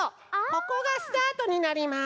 ここがスタートになります。